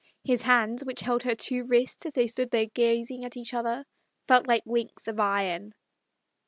His hands, which held her two wrists as they stood there gazing at each other, felt like links of iron.